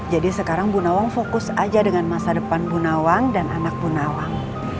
jadi sekarang bu nawang fokus aja dengan masa depan bu nawang dan anak bu nawang